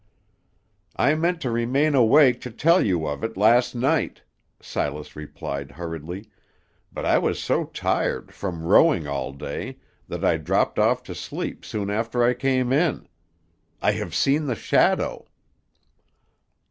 "I meant to remain awake to tell you of it last night," Silas replied hurriedly; "but I was so tired, from rowing all day, that I dropped off to sleep soon after I came in. I have seen the shadow!"